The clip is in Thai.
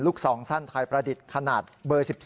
ซองสั้นไทยประดิษฐ์ขนาดเบอร์๑๒